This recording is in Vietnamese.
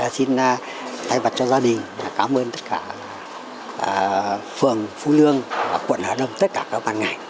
xin thay mặt cho gia đình cảm ơn tất cả phường phú lương và quận hà đông tất cả các bạn ngài